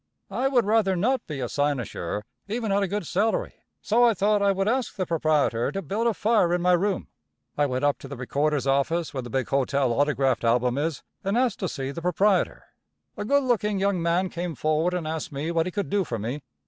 I would rather not be a cynosure, even at a good salary; so I thought I would ask the proprietor to build a fire in my room. I went up to the recorder's office, where the big hotel autograft album is, and asked to see the proprietor. A good looking young man came forward and asked me what he could do for me.